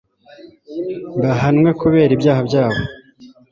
bahanwe kubera ibyaha byabo